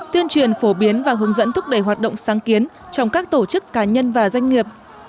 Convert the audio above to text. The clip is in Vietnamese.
tuyên truyền phổ biến và hướng dẫn thúc đẩy hoạt động sáng kiến trong các tổ chức cá nhân và doanh nghiệp